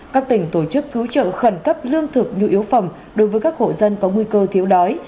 các tỉnh tổ chức cứu trợ khẩn cấp lương thực nhu yếu phẩm đối với các hộ dân có nguy cơ thiếu đói